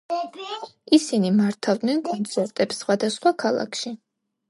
ისინი მართავდნენ კონცერტებს სხვადასხვა ქალაქებში.